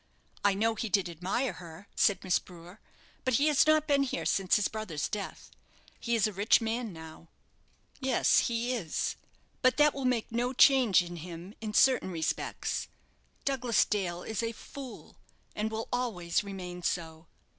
"I know he did admire her," said Miss Brewer, "but he has not been here since his brother's death. He is a rich man now." "Yes, he is but that will make no change in him in certain respects. Douglas Dale is a fool, and will always remain so.